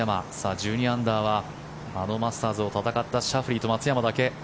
１２アンダーはあのマスターズを戦ったシャフリーと松山だけ。